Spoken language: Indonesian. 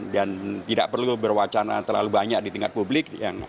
dan tidak perlu berwacana terlalu banyak di tingkat publik